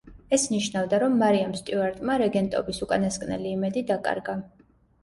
ეს ნიშნავდა, რომ მარიამ სტიუარტმა რეგენტობის უკანასკნელი იმედი დაკარგა.